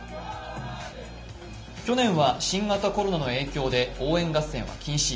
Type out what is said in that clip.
去年は新型コロナの影響で応援合戦は禁止。